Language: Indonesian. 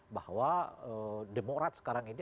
bahwa demokrasi sekarang ini